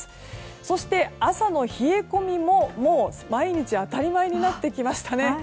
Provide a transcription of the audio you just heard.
そして、朝の冷え込みももう毎日当たり前になってきましたね。